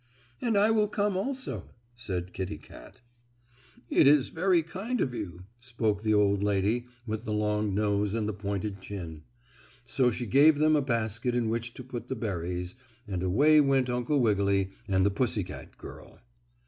"And I will come also," said Kittie Kat. "It is very kind of you," spoke the old lady with the long nose and the pointed chin. So she gave them a basket in which to put the berries, and away went Uncle Wiggily and the pussy girl.